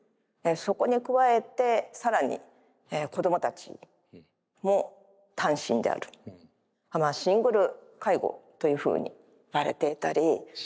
そこに加えて更に子供たちも単身であるシングル介護というふうにいわれていたり。